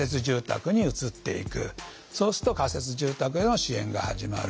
そうすると仮設住宅での支援が始まる。